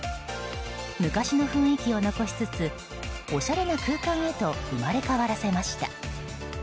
昔の雰囲気を残しつつおしゃれな空間へと生まれ変わらせました。